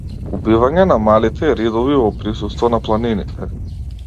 Убивање на малите ридови во присуство на планините.